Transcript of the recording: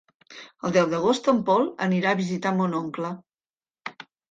El deu d'agost en Pol anirà a visitar mon oncle.